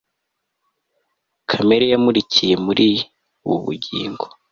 kamere yamurikiye muri ubu bugingo